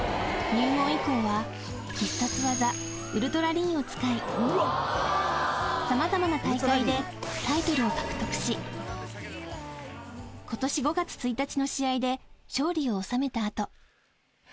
入門以降は、必殺技、ウルトラリンを使い、さまざまな大会でタイトルを獲得し、ことし５月１日の試合で、勝利を収めたあと。